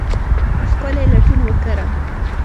ښکلې لټون وکرم